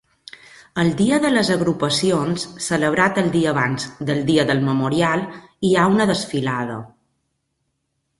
El Dia de les Agrupacions, celebrat el dia abans del Dia del Memorial, hi ha una desfilada.